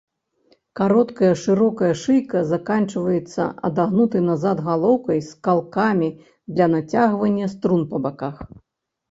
Кароткая шырокая шыйка заканчваецца адагнутай назад галоўкай з калкамі для нацягвання струн па баках.